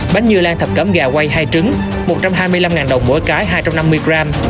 bánh dưa lan thập cẩm gà quay hai trứng một trăm hai mươi năm đồng mỗi cái hai trăm năm mươi gram